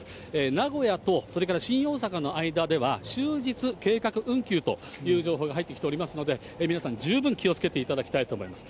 名古屋とそれから新大阪の間では、終日、計画運休という情報が入ってきておりますので、皆さん、十分気をつけていただきたいと思います。